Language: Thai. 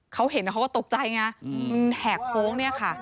เขาเห็นแล้วก็ตกใจไงแหกโค้ง